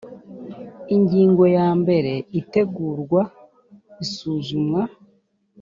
ingingo ya mbere itegurwa isuzumwa